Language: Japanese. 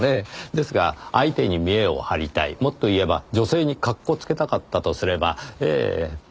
ですが相手に見栄を張りたいもっと言えば女性に格好つけたかったとすればええ。